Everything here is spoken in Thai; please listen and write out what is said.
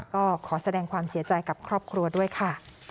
ก็ขอแสดงความเสียใจกับครอบครัวด้วยค่ะ